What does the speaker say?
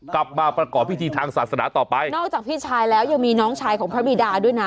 กลับมาประกอบพิธีทางศาสนาต่อไปนอกจากพี่ชายแล้วยังมีน้องชายของพระบิดาด้วยนะ